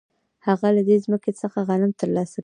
هغه له دې ځمکې څخه غنم ترلاسه کوي